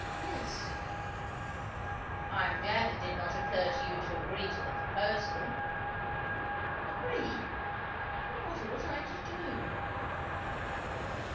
"Yes." "I am glad it did not occur to you to agree to the proposal." "Agree! But what ought I to do?"